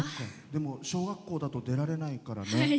でも、小学校だと出られないからね。